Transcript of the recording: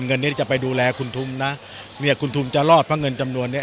เงินนี้จะไปดูแลคุณทุมนะเนี่ยคุณทุมจะรอดเพราะเงินจำนวนเนี้ย